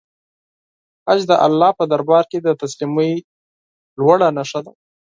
حج د الله په دربار کې د تسلیمۍ لوړه نښه ده.